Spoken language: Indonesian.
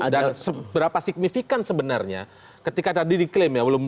dan seberapa signifikan sebenarnya ketika tadi diklaim ya